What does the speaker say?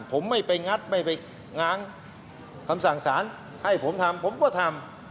ผมไม่ไปงัดไม่ไปง้างคำสั่งสารให้ผมทำผมก็ทำ